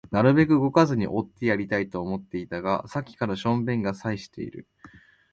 なるべくなら動かずにおってやりたいと思ったが、さっきから小便が催している